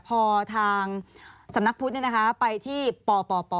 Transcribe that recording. พอทางสำนักพุทธไปที่ปป